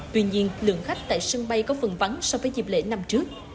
tuy nhiên lượng khách tại sân bay có phần vắng so với dịp lễ năm trước